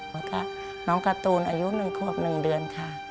แล้วก็น้องการ์ตูนอายุ๑ขวบ๑เดือนค่ะ